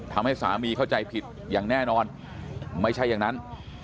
ทำให้สามีเข้าใจผิดอย่างแน่นอนไม่ใช่อย่างนั้น